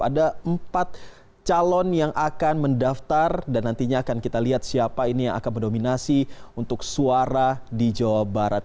ada empat calon yang akan mendaftar dan nantinya akan kita lihat siapa ini yang akan mendominasi untuk suara di jawa barat